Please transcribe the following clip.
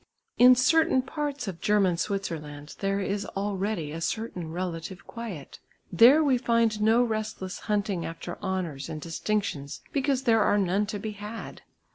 In certain parts of German Switzerland there is already a certain relative quiet. There we find no restless hunting after honours and distinctions because there are none to be had.